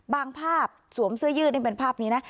บางภาพสวมเสื้อยืดเป็นภาพนี้นะ